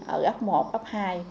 ở ấp một ấp hai